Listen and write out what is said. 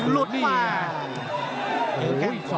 ลดฝ่าง